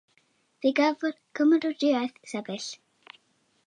Fe gafodd gymeradwyaeth sefyll.